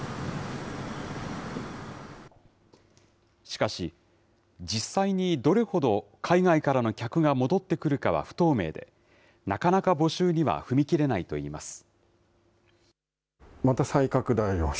しかし、実際にどれほど海外からの客が戻ってくるかは不透明で、なかなか募集には踏み切れないといいます。